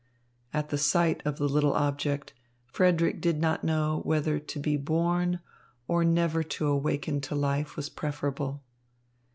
At the sight of the little object, Frederick did not know whether to be born or never to awaken to life was preferable.